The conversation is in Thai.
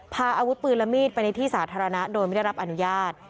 พาอาวุธปืนและมีดไปในที่สาธารณะโดยไม่ได้รับอนุญาต